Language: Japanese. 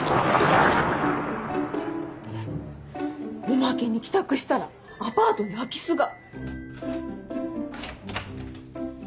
おまけに帰宅したらアパートに空き巣が。